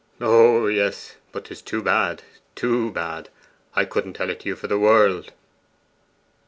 'Oh yes; but 'tis too bad too bad! Couldn't tell it to you for the world!